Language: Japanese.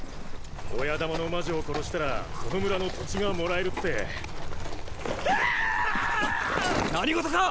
親玉の魔女を殺したらその村の土地がもらえるって何事か！